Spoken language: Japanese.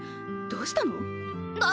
どうしたの？な！